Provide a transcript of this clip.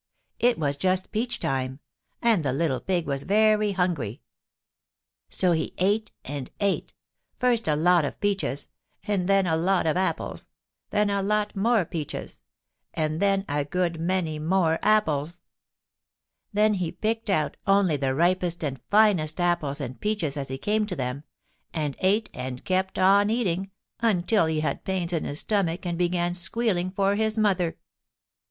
It was just peach time, and the little pig was very hungry. [Illustration: HE BEGAN SQUEALING FOR HIS MOTHER.] So he ate and ate, first a lot of peaches, and then a lot of apples; then a lot more peaches, and then a good many more apples. Then he picked out only the ripest and finest apples and peaches as he came to them, and ate and kept on eating until he had pains in his stomach and began squealing for his mother.